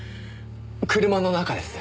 車の中です。